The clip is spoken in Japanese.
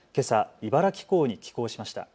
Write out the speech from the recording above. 茨城港に寄港しました。